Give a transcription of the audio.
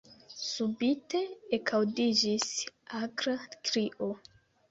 Subite ekaŭdiĝis akra krio.